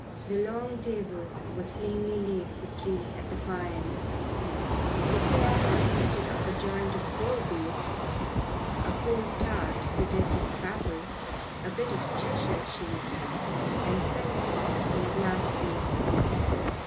The long table was plainly laid for three at the far end. The fare consisted of a joint of cold beef, a cold tart suggestive of apple, a bit of Cheshire cheese, and celery in a glass vase.